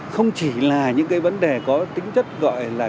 không chỉ là những cái vấn đề có tính chất gọi là